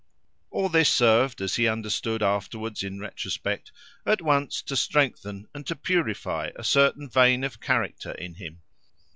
All this served, as he understood afterwards in retrospect, at once to strengthen and to purify a certain vein of character in him.